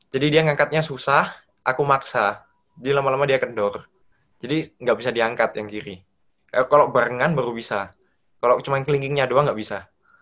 jadi dia ngangkatnya susah aku maksa jadi lama lama dia kendor jadi gak bisa diangkat yang kiri kalo barengan baru bisa kalo cuma kelingkingnya doang gak bisa